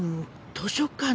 図書館？